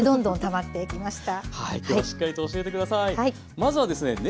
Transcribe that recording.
まずはですね